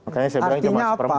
makanya saya bilang cuma perempuan